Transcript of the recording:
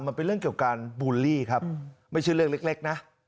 มันเป็นเรื่องเกี่ยวกับการบูลลี่ครับไม่ใช่เรื่องเล็กนะ